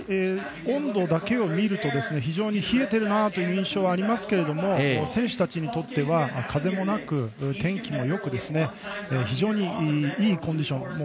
温度だけを見ると非常に冷えているなという印象はありますが選手たちにとっては風もなく天気もよく非常にいいコンディション。